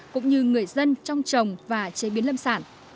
cũng như người dân trong trồng và chế biến lâm sản